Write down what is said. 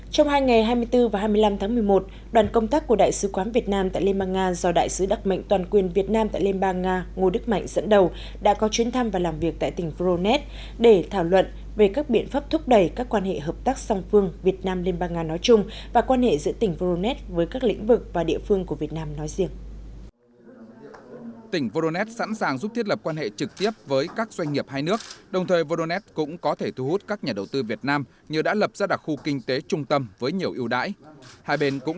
trong hai ngày hai mươi bốn và hai mươi năm tháng một mươi một đoàn công tác của đại sứ quán việt nam tại liên bang nga do đại sứ đặc mệnh toàn quyền việt nam tại liên bang nga ngô đức mạnh dẫn đầu đã có chuyến thăm và làm việc tại tỉnh voronet để thảo luận về các biện pháp thúc đẩy các quan hệ hợp tác song phương việt nam liên bang nga nói chung và quan hệ giữa tỉnh voronet với các lĩnh vực và địa phương của việt nam nói riêng